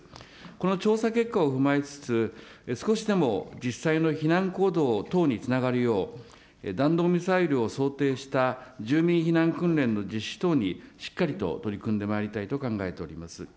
この調査結果を踏まえつつ、少しでも実際の避難行動等につながるよう、弾道ミサイルを想定した住民避難訓練の実施等にしっかりと取り組んでまいりたいと考えております。